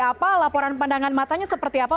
apa laporan pandangan matanya seperti apa